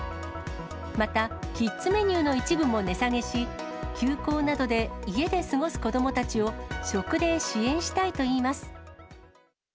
またキッズメニューの一部も値下げし、休校などで家で過ごす子どもたちを食で支援したいといいます。